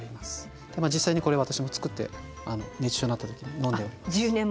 実際にこれ私も作って熱中症になった時に飲んでおります。